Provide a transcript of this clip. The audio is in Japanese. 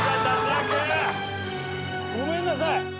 ごめんなさい。